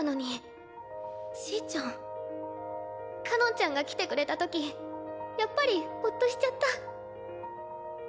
かのんちゃんが来てくれた時やっぱりほっとしちゃった。